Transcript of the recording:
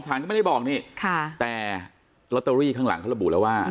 ศาลก็ไม่ได้บอกนี่แต่ลอตเตอรี่ทางหลังข้าระบูรว่า